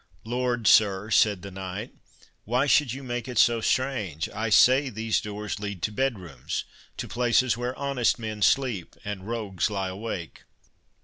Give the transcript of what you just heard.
"Lord, sir," said the knight, "why should you make it so strange? I say these doors lead to bedrooms—to places where honest men sleep, and rogues lie awake."